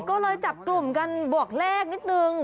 ก็เลยจับกลุ่มกันบวกเลขนิดนึง